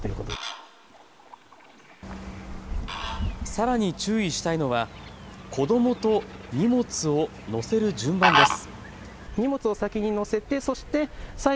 さらに注意したいのは子どもと荷物を乗せる順番です。